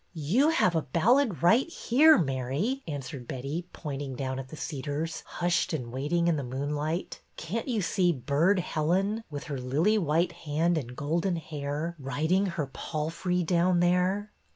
You have a ballad right here, Mary," an swered Betty, pointing down at the cedars, hushed and waiting in the moonlight. " Can't you see Burd Helen, with her lily white hand and golden hair, riding her palfrey down there